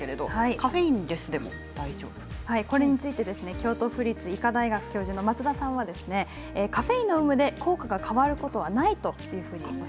京都府立医科大学教授の松田さんはカフェインの有無で効果が変わることはないということです。